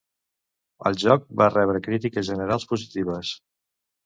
El joc va rebre crítiques generals positives.